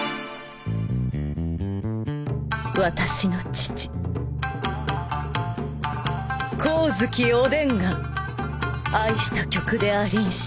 私の父光月おでんが愛した曲でありんした。